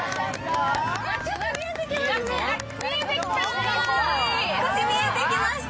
見えてきた。